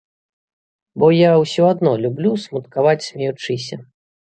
Бо я ўсё адно люблю смуткаваць смеючыся.